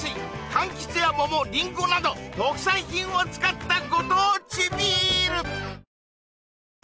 柑橘や桃りんごなど特産品を使ったご当地ビール！